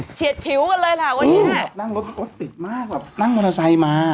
นั่งรถติดมากนั่งมอเตอร์ไซค์มา